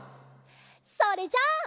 それじゃあ。